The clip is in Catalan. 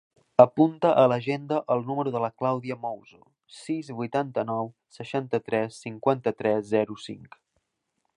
Apunta a l'agenda el número de la Clàudia Mouzo: sis, vuitanta-nou, seixanta-tres, cinquanta-tres, zero, cinc.